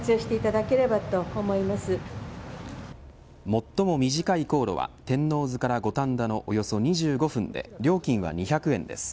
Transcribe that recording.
最も短い航路は天王洲から五反田のおよそ２５分で料金は２００円です。